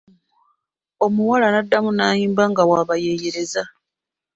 Omuwala naddamu naayimba nga bw'abayeyereza.